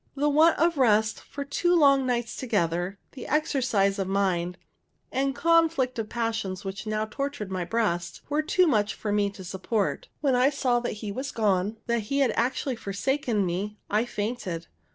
The want of rest for two long nights together, the exercise of mind, and conflict of passions which now tortured my breast, were too much for me to support. When I saw that he was gone, that he had actually forsaken me, I fainted.